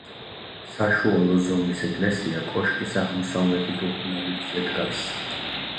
საშუალო ზომის ეკლესია კოშკის აღმოსავლეთით ორ ნაბიჯზე დგას.